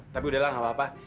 tapi udahlah gak apa apa